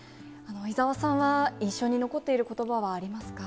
伊沢さんは、印象に残っていることばはありますか？